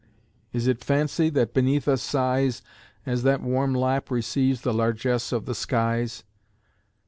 is it fancy, That beneath us sighs, As that warm lap receives the largesse of the skies?